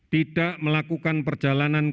tidak melakukan perjalanan kemanapun